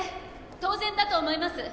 当然だと思います